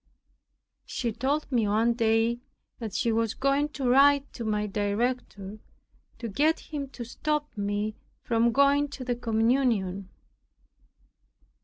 She told me one day that she was going to write to my director to get him to stop me from going to the communion.